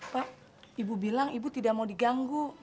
pak ibu bilang ibu tidak mau diganggu